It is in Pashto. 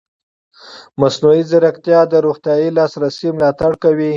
مصنوعي ځیرکتیا د روغتیايي لاسرسي ملاتړ کوي.